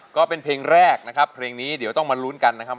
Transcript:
ก็เป็นเพลงแรกนะครับเพลงนี้เดี๋ยวต้องมาลุ้นกันนะครับ